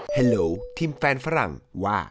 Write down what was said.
โหลทีมแฟนฝรั่งว่า